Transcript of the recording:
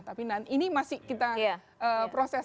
tapi ini masih kita proses